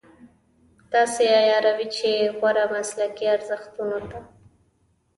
داسې عیاروي چې غوره مسلکي ارزښتونو ته.